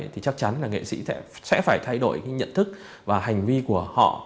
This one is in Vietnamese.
thì chắc chắn là nghệ sĩ sẽ phải thay đổi cái nhận thức và hành vi của họ